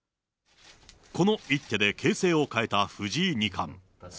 この一手で形勢を変えた藤井二冠。